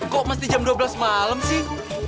kok masih jam dua belas malam sih